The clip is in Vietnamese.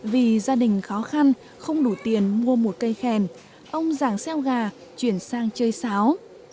vì gia đình khó khăn không đủ tiền mua một cây khen ông giảng xeo gà chuyển sang chơi sáo